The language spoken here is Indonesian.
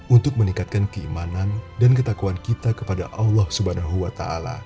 untuk meningkatkan keimanan dan ketakuan kita kepada allah swt